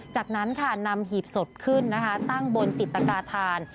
จากนั้นนำหีบสดขึ้นตั้งบนจิตรกาฐาน